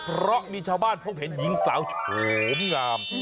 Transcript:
เพราะมีชาวบ้านพบเห็นหญิงสาวโฉมงาม